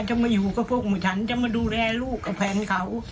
จะมาอยู่กับพวกฉันจะมาดูแลลูกกับแฟนเขา